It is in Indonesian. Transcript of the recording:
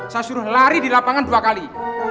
saya suruh lari di lapangan dua kali